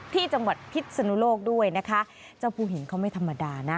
ที่จังหวัดพิษนุโลกด้วยนะคะเจ้าผู้หญิงเขาไม่ธรรมดานะ